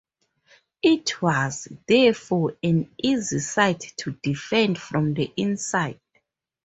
It was, therefore, an easy site to defend from the inside.